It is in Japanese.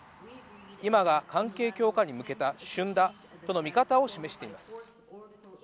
今が関係強化に向けた旬だとの見方を示しています。